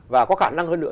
và có khả năng hơn nữa